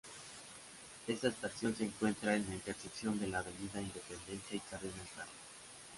Esta estación se encuentra en la intersección de la Avenida Independencia y Cardenal Caro.